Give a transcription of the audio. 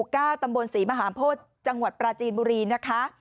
ตำบลศรีมหาโพธิจังหวัดปราจีนบุรีนะคะ